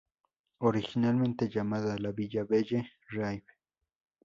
Originalmente llamada La villa belle rive.